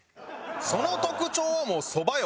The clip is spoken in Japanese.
その特徴はもうそばよ。